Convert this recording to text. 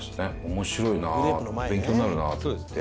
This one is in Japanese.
面白いな勉強になるなと思って。